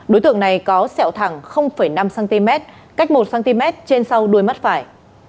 đối tượng này có sẹo thẳng năm cm cách một cm trên sau đuôi mắt phải